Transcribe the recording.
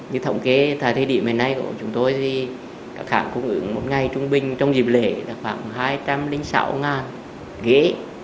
như thống kế thời điểm hiện nay của chúng tôi thì cả kháng cung ứng một ngày trung bình trong dịp lễ là khoảng hai trăm linh sáu ngàn ghế